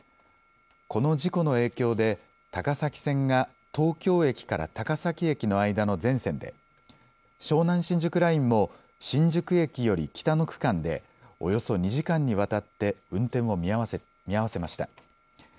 この事故の影響で高崎線が東京駅から高崎駅の間の全線で、湘南新宿ラインも新宿駅より北の区間でおよそ２時間にわたって運転を見合わせました。